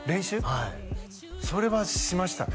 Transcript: はいそれはしましたね